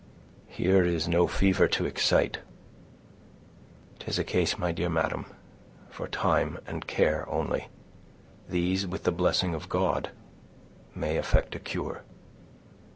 "Here is no fever to excite—'tis a case, my dear madam, for time and care only; these, with the blessing of God, may effect a cure."